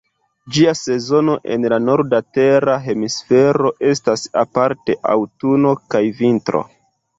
Ĝia sezono en la norda tera hemisfero estas aparte aŭtuno kaj vintro.